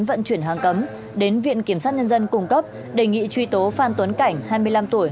vận chuyển hàng cấm đến viện kiểm sát nhân dân cung cấp đề nghị truy tố phan tuấn cảnh hai mươi năm tuổi